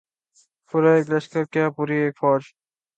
پورا ایک لشکر کیا‘ پوری ایک فوج ان کے پیچھے تھی۔